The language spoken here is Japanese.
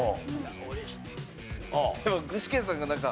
でも具志堅さんがなんか。